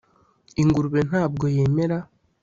ingurube ntabwo yemera